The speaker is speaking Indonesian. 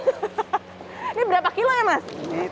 ini berapa kilo ya mas